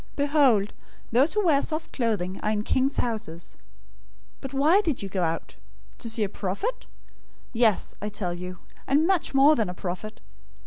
Behold, those who wear soft clothing are in king's houses. 011:009 But why did you go out? To see a prophet? Yes, I tell you, and much more than a prophet.